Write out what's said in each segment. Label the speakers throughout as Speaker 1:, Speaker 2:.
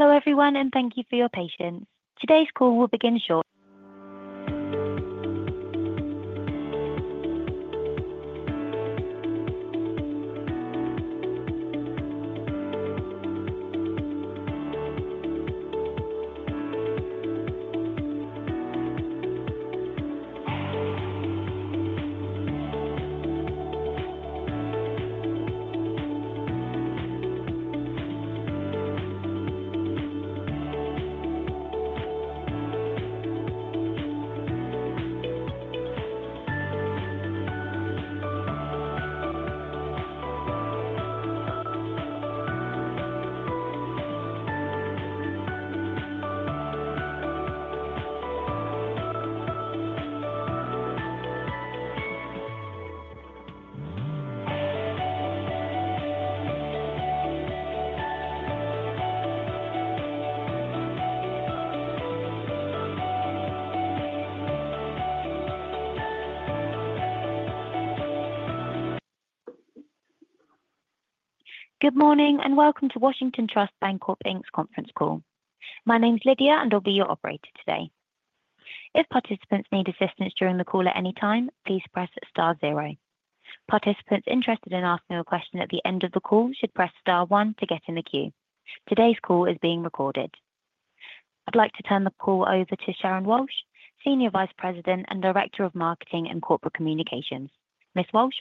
Speaker 1: Hello everyone, and thank you for your patience. Today's call will begin shortly. Good morning and welcome to the Washington Trust Bancorp, Inc.'s conference call. My name is Lydia, and I'll be your operator today. If participants need assistance during the call at any time, please press star zero. Participants interested in asking a question at the end of the call should press star one to get in the queue. Today's call is being recorded. I'd like to turn the call over to Sharon Walsh, Senior Vice President and Director of Marketing and Corporate Communications. Ms. Walsh,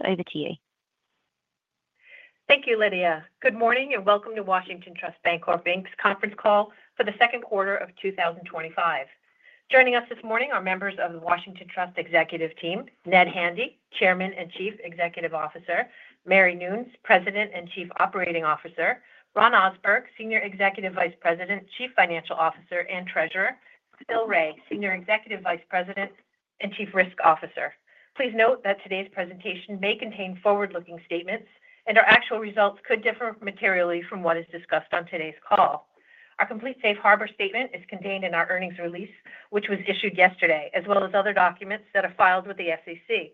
Speaker 1: over to you. Thank you, Lydia. Good morning and welcome to the Washington Trust Bancorp, Inc.'s conference call for the second quarter of 2025. Joining us this morning are members of the Washington Trust Executive Team: Ned Handy, Chairman and Chief Executive Officer, Mary Noons, President and Chief Operating Officer, Ron Ohsberg, Senior Executive Vice President, Chief Financial Officer, and Treasurer Bill Wray, Senior Executive Vice President and Chief Risk Officer. Please note that today's presentation may contain forward-looking statements, and our actual results could differ materially from what is discussed on today's call. Our complete safe harbor statement is contained in our earnings release, which was issued yesterday, as well as other documents that are filed with the SEC.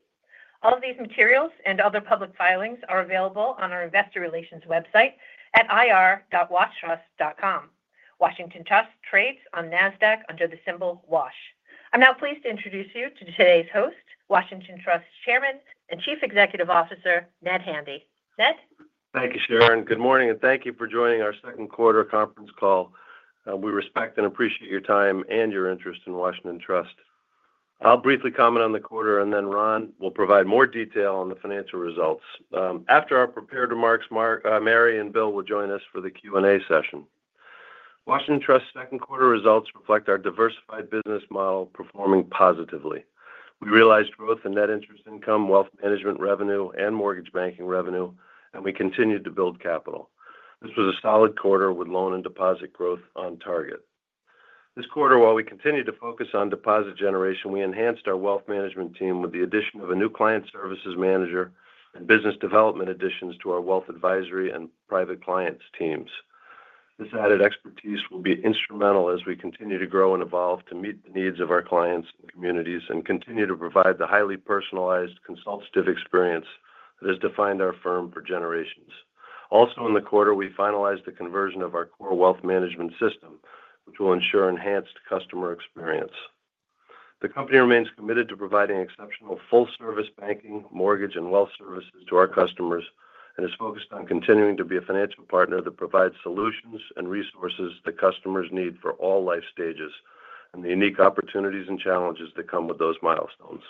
Speaker 1: All of these materials and other public filings are available on our Investor Relations website at ir.washtrust.com. Washington Trust trades on Nasdaq under the symbol WASH. I'm now pleased to introduce you to today's host, Washington Trust Chairman and Chief Executive Officer Ned Handy. Ned.
Speaker 2: Thank you, Sharon. Good morning and thank you for joining our second quarter conference call. We respect and appreciate your time and your interest in Washington Trust. I'll briefly comment on the quarter, and then Ron will provide more detail on the financial results. After our prepared remarks, Mary and Bill will join us for the Q&A session. Washington Trust's second quarter results reflect our diversified business model performing positively. We realized growth in net interest income, wealth management revenue, and mortgage banking revenue, and we continued to build capital. This was a solid quarter with loan and deposit growth on target. This quarter, while we continued to focus on deposit generation, we enhanced our wealth management team with the addition of a new client services manager and business development additions to our wealth advisory and private client teams. This added expertise will be instrumental as we continue to grow and evolve to meet the needs of our clients and communities, and continue to provide the highly personalized consultative experience that has defined our firm for generations. Also, in the quarter, we finalized the conversion of our core wealth management system, which will ensure enhanced customer experience. The company remains committed to providing exceptional full-service banking, mortgage, and wealth services to our customers and is focused on continuing to be a financial partner that provides solutions and resources that customers need for all life stages and the unique opportunities and challenges that come with those milestones.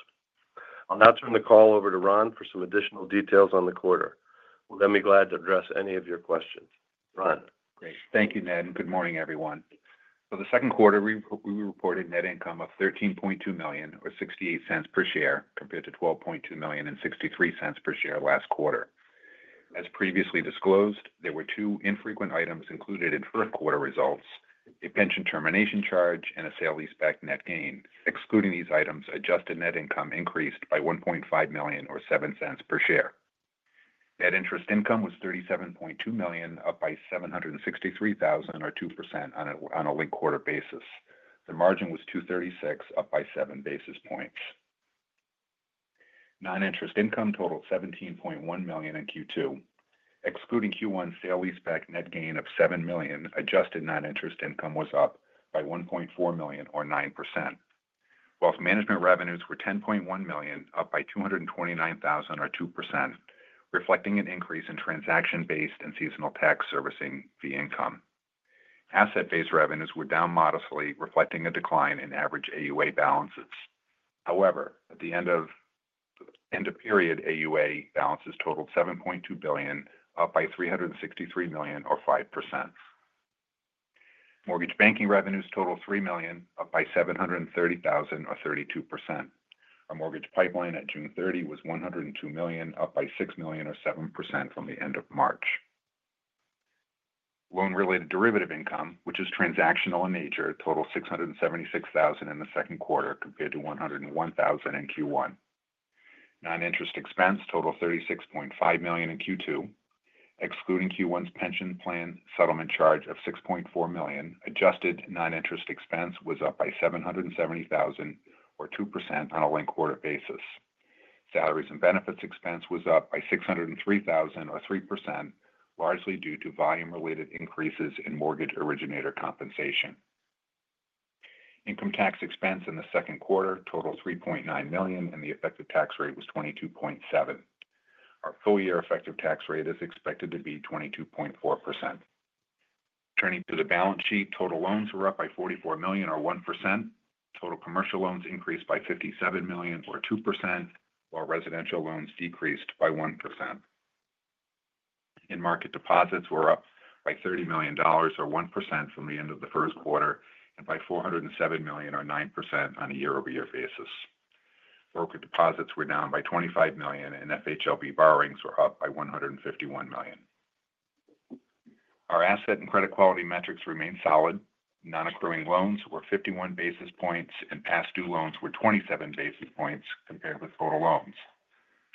Speaker 2: I'll now turn the call over to Ron for some additional details on the quarter. Let me be glad to address any of your questions. Ron.
Speaker 3: Great. Thank you, Ned, and good morning, everyone. For the second quarter, we reported net income of $13.2 million or $0.68 per share, compared to $12.2 million and $0.63 per share last quarter. As previously disclosed, there were two infrequent items included in first-quarter results: a pension termination charge and a sale leaseback net gain. Excluding these items, adjusted net income increased by $1.5 million or $0.07 per share. Net interest income was $37.2 million, up by $763,000 or 2% on a linked quarter basis. The margin was 2.36%, up by seven basis points. Non-interest income totaled $17.1 million in Q2. Excluding Q1 sale leaseback net gain of $7 million, adjusted non-interest income was up by $1.4 million or 9%. Wealth management revenues were $10.1 million, up by $229,000 or 2%, reflecting an increase in transaction-based and seasonal tax servicing fee income. Asset-based revenues were down modestly, reflecting a decline in average assets under administration balances. However, at the end of period, assets under administration balances totaled $7.2 billion, up by $363 million or 5%. Mortgage banking revenues totaled $3 million, up by $730,000 or 32%. Our mortgage pipeline at June 30 was $102 million, up by $6 million or 7% from the end of March. Loan-related derivative income, which is transactional in nature, totaled $676,000 in the second quarter, compared to $101,000 in Q1. Non-interest expense totaled $36.5 million in Q2. Excluding Q1's pension plan settlement charge of $6.4 million, adjusted non-interest expense was up by $770,000 or 2% on a linked quarter basis. Salaries and benefits expense was up by $603,000 or 3%, largely due to volume-related increases in mortgage originator compensation. Income tax expense in the second quarter totaled $3.9 million, and the effective tax rate was 22.7%. Our full-year effective tax rate is expected to be 22.4%. Turning to the balance sheet, total loans were up by $44 million or 1%. Total commercial loans increased by $57 million or 2%, while residential loans decreased by 1%. In-market deposits were up by $30 million or 1% from the end of the first quarter and by $407 million or 9% on a year-over-year basis. Broker deposits were down by $25 million, and FHLB borrowings were up by $151 million. Our asset and credit quality metrics remain solid. Non-performing loans were 51 basis points, and past due loans were 27 basis points compared with total loans.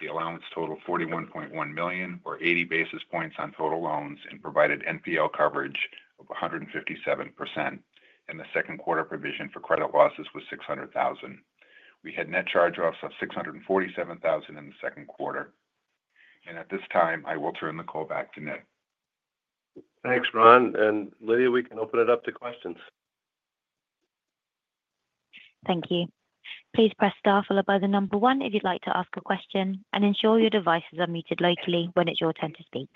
Speaker 3: The allowance totaled $41.1 million or 80 basis points on total loans and provided NPL coverage of 157%, and the second quarter provision for credit losses was $600,000. We had net charge-offs of $647,000 in the second quarter. At this time, I will turn the call back to Ned.
Speaker 2: Thanks, Ron. Lydia, we can open it up to questions.
Speaker 1: Thank you. Please press star followed by the number one if you'd like to ask a question and ensure your devices are muted locally when it's your turn to speak.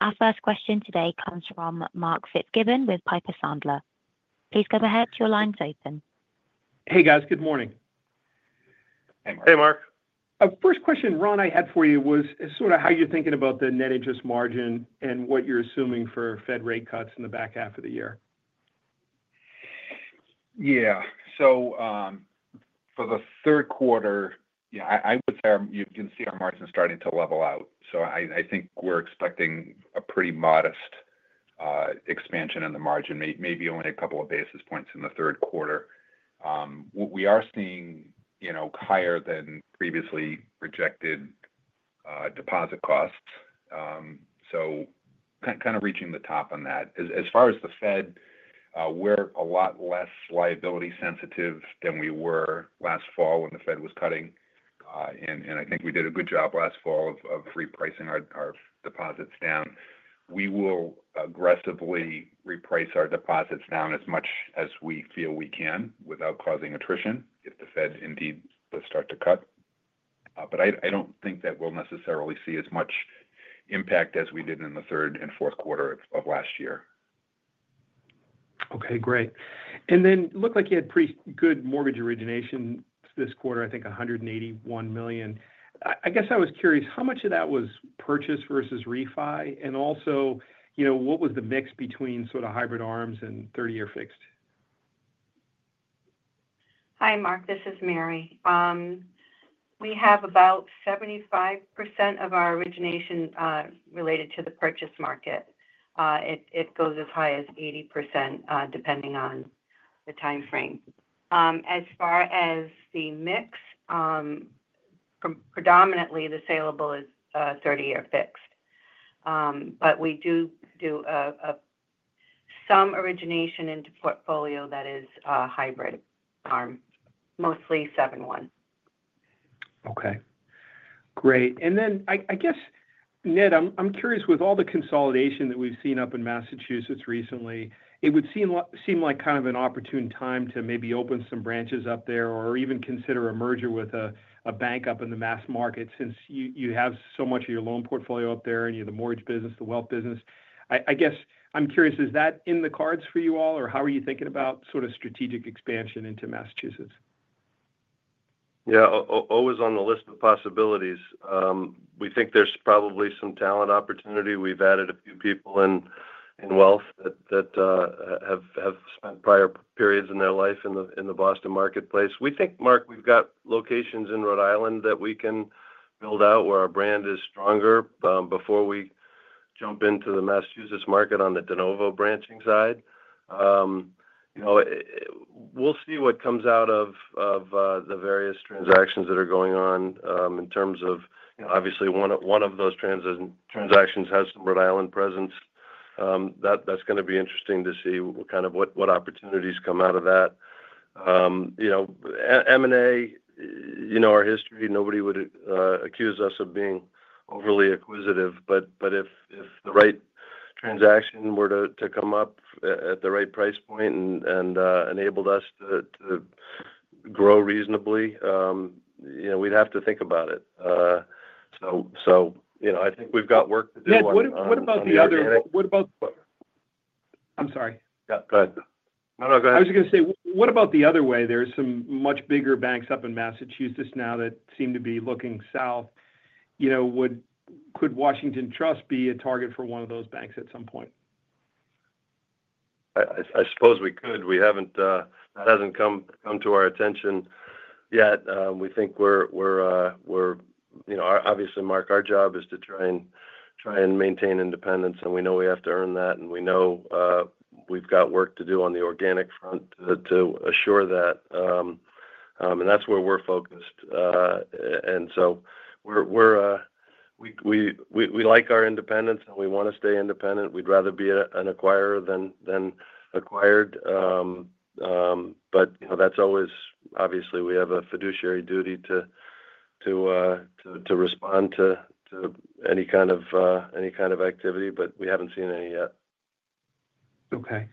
Speaker 1: Our first question today comes from Mark Fitzgibbon with Piper Sandler. Please go ahead. Your line's open.
Speaker 4: Hey, guys. Good morning.
Speaker 2: Hey, Mark.
Speaker 4: Hey, Mark. First question, Ron, I had for you was sort of how you're thinking about the net interest margin and what you're assuming for Fed rate cuts in the back half of the year.
Speaker 3: Yeah. For the third quarter, I would say you can see our margins starting to level out. I think we're expecting a pretty modest expansion in the margin, maybe only a couple of basis points in the third quarter. We are seeing higher than previously projected deposit costs, so kind of reaching the top on that. As far as the Fed, we're a lot less liability sensitive than we were last fall when the Fed was cutting. I think we did a good job last fall of repricing our deposits down. We will aggressively reprice our deposits down as much as we feel we can without causing attrition if the Fed indeed does start to cut. I don't think that we'll necessarily see as much impact as we did in the third and fourth quarter of last year.
Speaker 4: Okay, great. It looked like you had pretty good mortgage origination this quarter, I think $181 million. I was curious, how much of that was purchased versus refi? Also, what was the mix between sort of hybrid ARMs and 30-year fixed?
Speaker 5: Hi, Mark. This is Mary. We have about 75% of our origination related to the purchase market. It goes as high as 80% depending on the timeframe. As far as the mix, predominantly the saleable is 30-year fixed. We do some origination into portfolio that is a hybrid ARM, mostly 7/1.
Speaker 4: Okay. Great. I guess, Ned, I'm curious, with all the consolidation that we've seen up in Massachusetts recently, it would seem like kind of an opportune time to maybe open some branches up there or even consider a merger with a bank up in the Massachusetts market since you have so much of your loan portfolio up there and your mortgage business, the wealth business. I guess I'm curious, is that in the cards for you all, or how are you thinking about sort of strategic expansion into Massachusetts?
Speaker 2: Yeah, always on the list of possibilities. We think there's probably some talent opportunity. We've added a few people in wealth that have spent prior periods in their life in the Boston marketplace. We think, Mark, we've got locations in Rhode Island that we can build out where our brand is stronger before we jump into the Massachusetts market on the de novo branching side. We'll see what comes out of the various transactions that are going on in terms of, you know, obviously one of those transactions has some Rhode Island presence. That's going to be interesting to see kind of what opportunities come out of that. M&A, you know our history, nobody would accuse us of being overly acquisitive. If the right transaction were to come up at the right price point and enabled us to grow reasonably, you know, we'd have to think about it. I think we've got work to do.
Speaker 4: Ned, what about the other? I'm sorry.
Speaker 2: Yeah, go ahead. No, go ahead.
Speaker 4: I was going to say, what about the other way? There are some much bigger banks up in Massachusetts now that seem to be looking south. You know, could Washington Trust be a target for one of those banks at some point?
Speaker 2: I suppose we could. That hasn't come to our attention yet. We think we're, you know, obviously, Mark, our job is to try and maintain independence, and we know we have to earn that. We know we've got work to do on the organic front to assure that. That's where we're focused. We like our independence, and we want to stay independent. We'd rather be an acquirer than acquired. Obviously, we have a fiduciary duty to respond to any kind of activity, but we haven't seen any yet.
Speaker 4: Okay.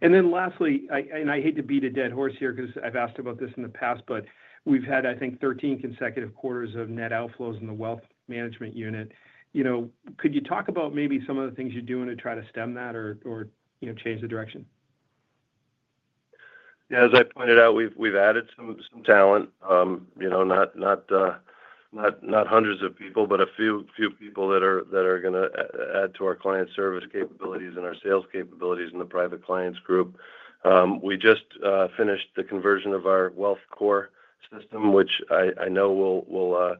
Speaker 4: Lastly, I hate to beat a dead horse here because I've asked about this in the past, but we've had, I think, 13 consecutive quarters of net outflows in the wealth management unit. Could you talk about maybe some of the things you're doing to try to stem that or change the direction?
Speaker 2: Yeah, as I pointed out, we've added some talent. Not hundreds of people, but a few people that are going to add to our client service capabilities and our sales capabilities in the private clients group. We just finished the conversion of our core wealth management system, which I know will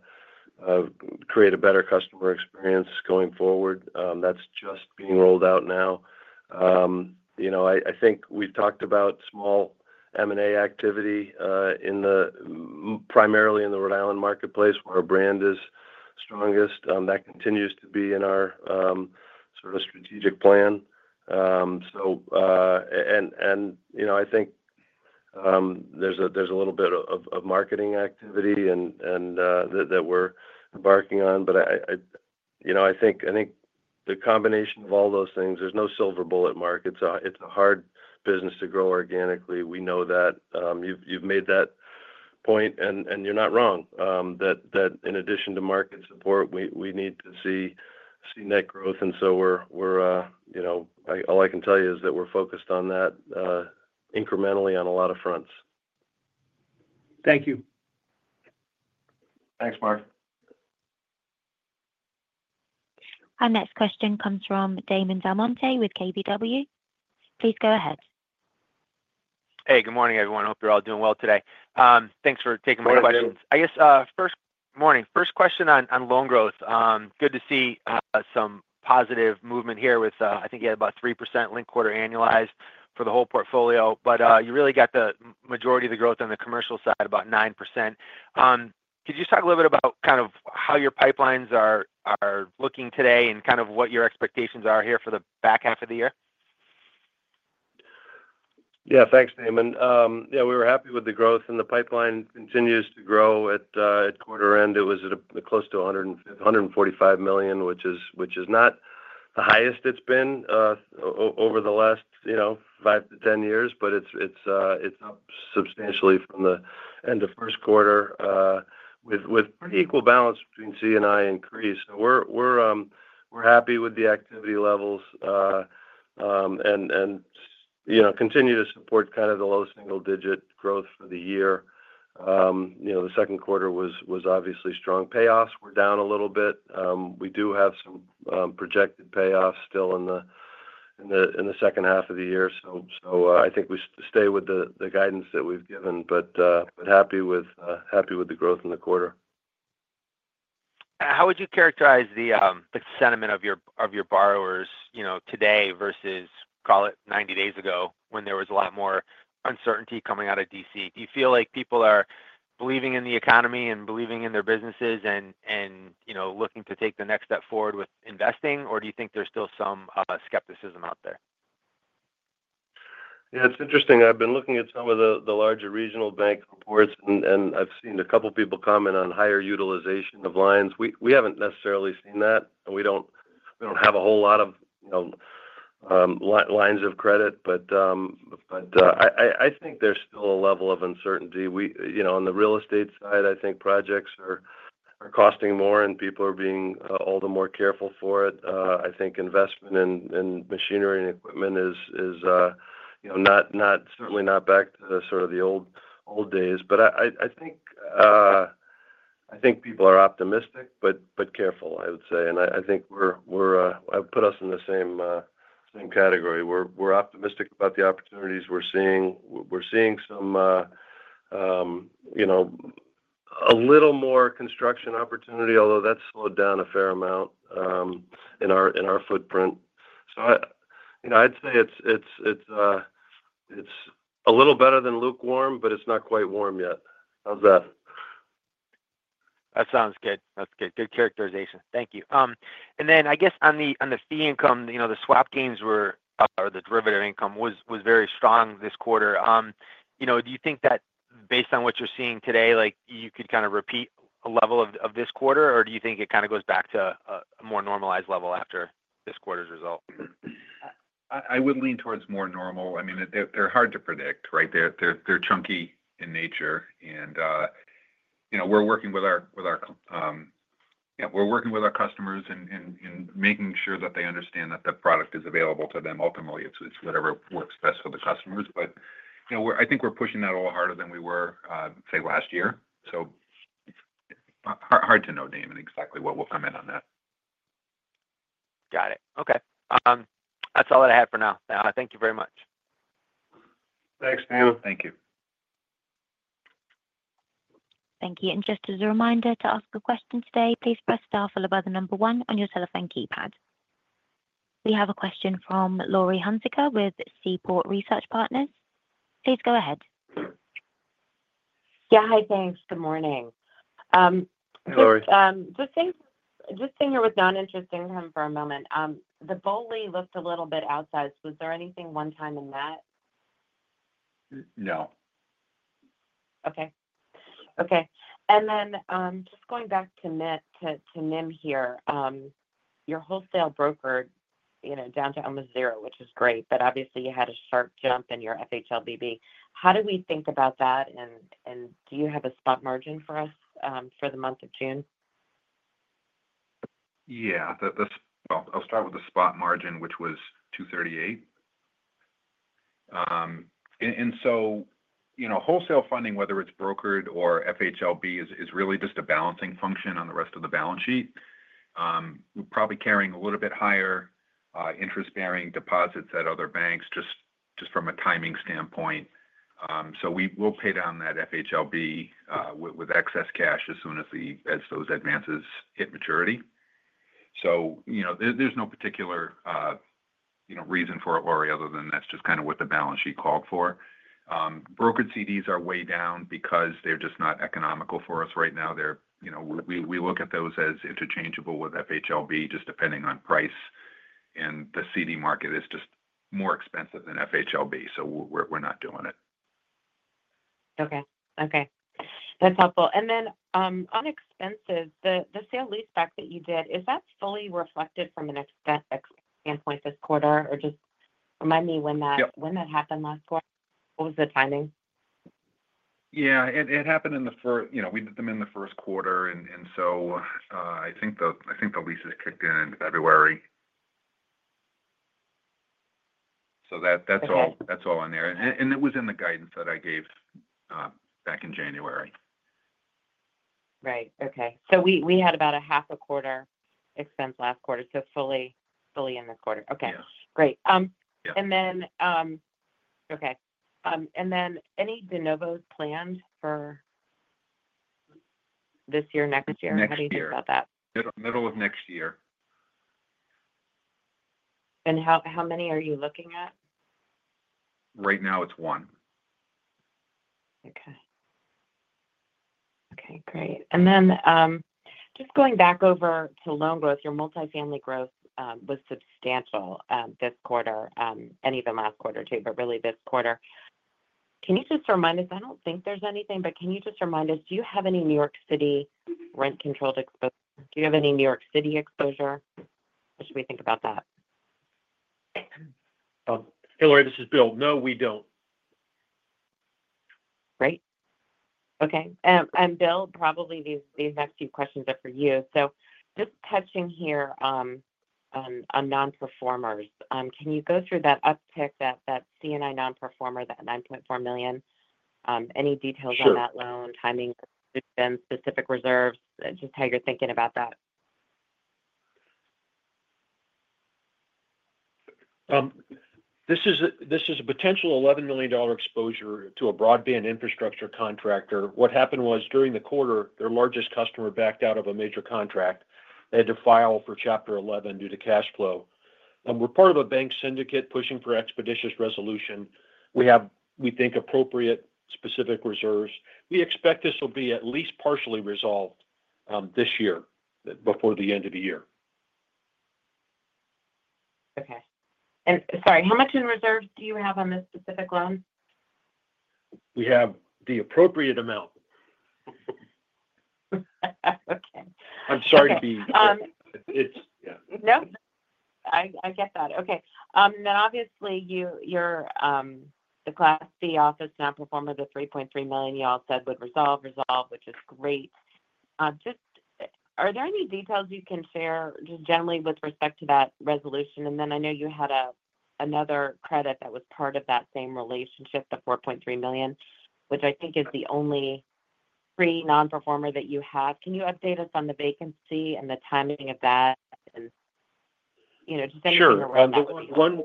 Speaker 2: create a better customer experience going forward. That's just being rolled out now. I think we've talked about small M&A activity primarily in the Rhode Island marketplace where our brand is strongest. That continues to be in our sort of strategic plan. I think there's a little bit of marketing activity that we're embarking on. I think the combination of all those things, there's no silver bullet, Mark. It's a hard business to grow organically. We know that. You've made that point, and you're not wrong that in addition to market support, we need to see net growth. All I can tell you is that we're focused on that incrementally on a lot of fronts.
Speaker 4: Thank you.
Speaker 2: Thanks, Mark.
Speaker 1: Our next question comes from Damon DelMonte with KBW. Please go ahead.
Speaker 6: Hey, good morning, everyone. Hope you're all doing well today. Thanks for taking the questions. First question on loan growth. Good to see some positive movement here with, I think you had about 3% linked quarter annualized for the whole portfolio. You really got the majority of the growth on the commercial side, about 9%. Could you just talk a little bit about how your pipelines are looking today and what your expectations are here for the back half of the year?
Speaker 2: Yeah, thanks, Damon. Yeah, we were happy with the growth, and the pipeline continues to grow. At quarter end, it was close to $145 million, which is not the highest it's been over the last, you know, 5 to 10 years, but it's up substantially from the end of first quarter with pretty equal balance between C&I and CRE. We're happy with the activity levels and continue to support kind of the low single-digit growth for the year. The second quarter was obviously strong. Payoffs were down a little bit. We do have some projected payoffs still in the second half of the year. I think we stay with the guidance that we've given, but happy with the growth in the quarter.
Speaker 6: How would you characterize the sentiment of your borrowers today versus, call it, 90 days ago when there was a lot more uncertainty coming out of D.C.? Do you feel like people are believing in the economy and believing in their businesses and looking to take the next step forward with investing, or do you think there's still some skepticism out there?
Speaker 2: Yeah, it's interesting. I've been looking at some of the larger regional bank reports, and I've seen a couple of people comment on higher utilization of lines. We haven't necessarily seen that. We don't have a whole lot of lines of credit, but I think there's still a level of uncertainty. On the real estate side, I think projects are costing more, and people are being all the more careful for it. I think investment in machinery and equipment is certainly not back to sort of the old days. I think people are optimistic, but careful, I would say. I think we're, I would put us in the same category. We're optimistic about the opportunities we're seeing. We're seeing some, you know, a little more construction opportunity, although that's slowed down a fair amount in our footprint. I'd say it's a little better than lukewarm, but it's not quite warm yet. How's that?
Speaker 6: That sounds good. Good characterization. Thank you. On the fee income, the swap gains were up, or the derivative income was very strong this quarter. Do you think that based on what you're seeing today, you could kind of repeat a level of this quarter, or do you think it kind of goes back to a more normalized level after this quarter's result?
Speaker 3: I would lean towards more normal. They're hard to predict, right? They're chunky in nature. We're working with our customers and making sure that they understand that that product is available to them. Ultimately, it's whatever works best for the customers. I think we're pushing that a little harder than we were, say, last year. Hard to know, Damon, exactly what will come in on that.
Speaker 6: Got it. Okay. That's all that I had for now. Thank you very much.
Speaker 2: Thanks, Damon.
Speaker 3: Thank you.
Speaker 1: Thank you. Just as a reminder to ask a question today, please press star followed by the number one on your telephone keypad. We have a question from Laurie Hunsicker with Seaport Research Partners. Please go ahead.
Speaker 7: Yeah, hi. Thanks. Good morning.
Speaker 2: Hey, Laurie.
Speaker 7: Just sitting here with non-interest income for a moment. The BOLI looked a little bit outside. Was there anything one-time in that?
Speaker 2: No.
Speaker 7: Okay. Okay. Just going back to net, to NIM here, your wholesale broker, you know, down to almost zero, which is great. Obviously, you had a sharp jump in your FHLB. How do we think about that? Do you have a spot margin for us for the month of June?
Speaker 3: Yeah. I'll start with the spot margin, which was $238. Wholesale funding, whether it's brokered or FHLB, is really just a balancing function on the rest of the balance sheet. We're probably carrying a little bit higher interest-bearing deposits at other banks just from a timing standpoint. We'll pay down that FHLB with excess cash as soon as those advances hit maturity. There's no particular reason for it, Laurie, other than that's just kind of what the balance sheet called for. Brokered CDs are way down because they're just not economical for us right now. We look at those as interchangeable with FHLB, just depending on price. The CD market is just more expensive than FHLB, so we're not doing it.
Speaker 7: Okay. That's helpful. On expenses, the sale leaseback that you did, is that fully reflected from an expense standpoint this quarter? Or just remind me when that happened last quarter. What was the timing?
Speaker 3: Yeah. It happened in the first, you know, we did them in the first quarter. I think the leases kicked in in February. That's all on there, and it was in the guidance that I gave back in January.
Speaker 7: Right. Okay. We had about a half a quarter expense last quarter, so fully, fully in the quarter. Okay. Great. Then, any de novo branches planned for this year or next year? How do you think about that?
Speaker 3: Middle of next year.
Speaker 7: How many are you looking at?
Speaker 3: Right now, it's one.
Speaker 7: Okay. Great. Just going back over to loan growth, your multifamily growth was substantial this quarter and even last quarter too, but really this quarter. Can you just remind us? I don't think there's anything, but can you just remind us, do you have any New York City rent-controlled? Do you have any New York City exposure? Should we think about that?
Speaker 8: Hello, this is Bill. No, we don't.
Speaker 7: Great. Okay. Bill, probably these next few questions are for you. Just touching here on non-performers, can you go through that uptick, that C&I non-performer, that $9.4 million? Any details on that loan, timing, expense, specific reserves, just how you're thinking about that?
Speaker 8: This is a potential $11 million exposure to a broadband infrastructure contractor. What happened was during the quarter, their largest customer backed out of a major contract. They had to file for Chapter 11 due to cash flow. We're part of a bank syndicate pushing for expeditious resolution. We have, we think, appropriate specific reserves. We expect this will be at least partially resolved this year before the end of the year.
Speaker 7: Okay. Sorry, how much in reserve do you have on this specific loan?
Speaker 8: We have the appropriate amount.
Speaker 7: Okay.
Speaker 8: I'm sorry to be.
Speaker 7: Nope. I get that. Okay. Now, obviously, you're the Class B office, non-performer of the $3.3 million you all said would resolve, which is great. Are there any details you can share just generally with respect to that resolution? I know you had another credit that was part of that same relationship, the $4.3 million, which I think is the only pre-non-performer that you have. Can you update us on the vacancy and the timing of that? You know, just anything you're aware of.
Speaker 8: Sure.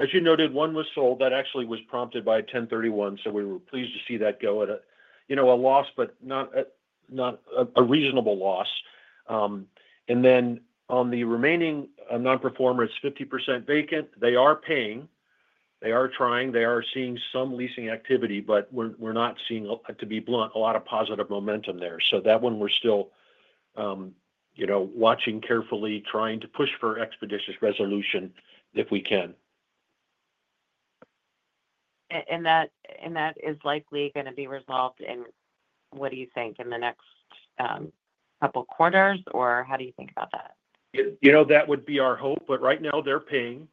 Speaker 8: As you noted, one was sold. That actually was prompted by a 10/31. We were pleased to see that go at a, you know, a loss, but not a reasonable loss. On the remaining non-performer, it's 50% vacant. They are paying. They are trying. They are seeing some leasing activity, but we're not seeing, to be blunt, a lot of positive momentum there. That one we're still, you know, watching carefully, trying to push for expeditious resolution if we can.
Speaker 7: Is that likely going to be resolved in the next couple of quarters, or how do you think about that?
Speaker 8: That would be our hope. Right now, they're paying.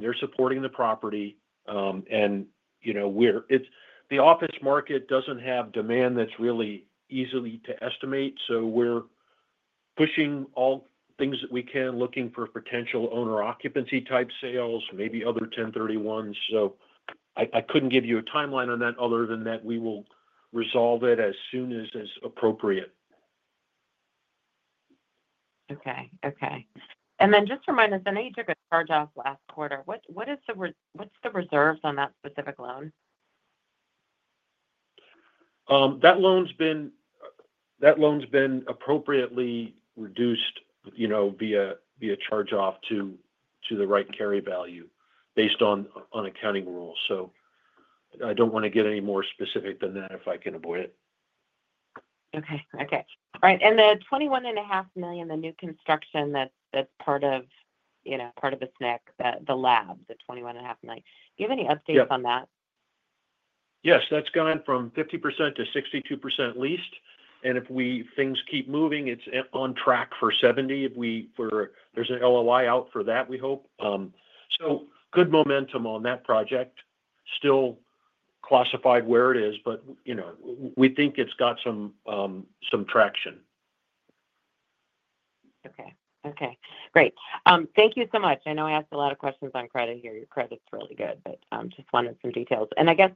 Speaker 8: They're supporting the property. The office market doesn't have demand that's really easy to estimate. We're pushing all things that we can, looking for potential owner occupancy type sales, maybe other 10/31s. I couldn't give you a timeline on that other than that we will resolve it as soon as it's appropriate.
Speaker 7: Okay. Okay. Just remind us, I know you took a charge-off last quarter. What's the reserves on that specific loan?
Speaker 8: That loan's been appropriately reduced, you know, via charge-off to the right carry value based on accounting rules. I don't want to get any more specific than that if I can avoid it.
Speaker 7: All right. The $21.5 million, the new construction that's part of the SNEC, the lab, the $21.5 million. Do you have any updates on that?
Speaker 8: Yes. Yes, that's gone from 50%-62% leased. If things keep moving, it's on track for 70%. There's an LOI out for that, we hope. Good momentum on that project. Still classified where it is, but we think it's got some traction.
Speaker 7: Okay. Great. Thank you so much. I know I asked a lot of questions on credit here. Your credit's really good, but I just wanted some details. I guess,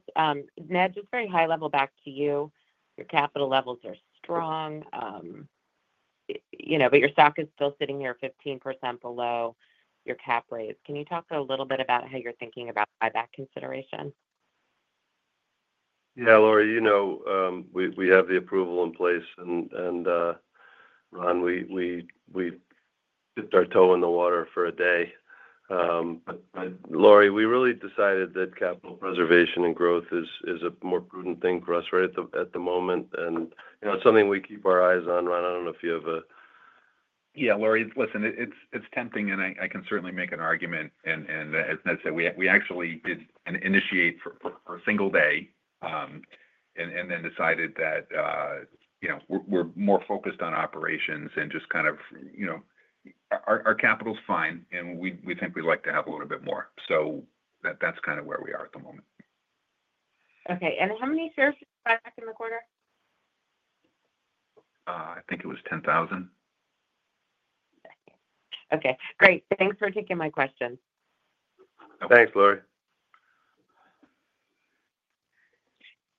Speaker 7: Ned, just very high level back to you. Your capital levels are strong. You know, but your stock is still sitting here 15% below your cap rate. Can you talk a little bit about how you're thinking about buyback consideration?
Speaker 2: Yeah, Laurie, you know we have the approval in place. Ron, we dipped our toe in the water for a day. Laurie, we really decided that capital preservation and growth is a more prudent thing for us right at the moment. It's something we keep our eyes on. Ron, I don't know if you have a.
Speaker 3: Yeah, Laurie, it's tempting, and I can certainly make an argument. As I said, we actually did initiate for a single day and then decided that we're more focused on operations and just kind of, you know, our capital's fine, and we think we'd like to have a little bit more. That's kind of where we are at the moment.
Speaker 7: Okay. How many shares did you buy back in the quarter?
Speaker 3: I think it was $10,000.
Speaker 7: Okay, great. Thanks for taking my question.
Speaker 2: Thanks, Laurie.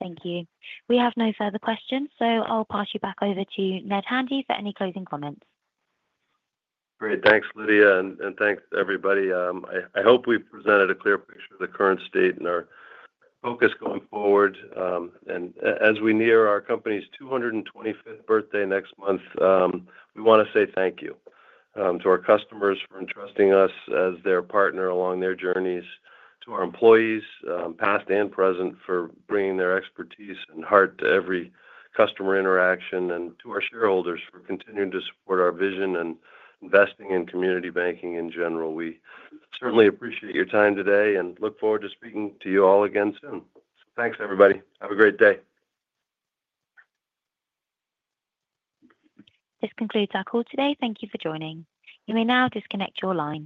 Speaker 1: Thank you. We have no further questions, so I'll pass you back over to Ned Handy for any closing comments.
Speaker 2: Great. Thanks, Lydia, and thanks, everybody. I hope we presented a clear picture of the current state and our focus going forward. As we near our company's 225th birthday next month, we want to say thank you to our customers for entrusting us as their partner along their journeys, to our employees, past and present, for bringing their expertise and heart to every customer interaction, and to our shareholders for continuing to support our vision and investing in community banking in general. We certainly appreciate your time today and look forward to speaking to you all again soon. Thanks, everybody. Have a great day.
Speaker 1: This concludes our call today. Thank you for joining. You may now disconnect your line.